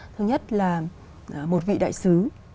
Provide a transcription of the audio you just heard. thứ nhất là một vị đại sứ